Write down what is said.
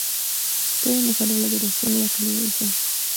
Puede mejorar la duración y la calidad del sueño.